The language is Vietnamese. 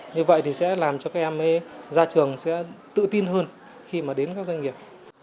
như vậy thì sẽ làm cho các em ra trường sẽ tự tin hơn khi mà đến các doanh nghiệp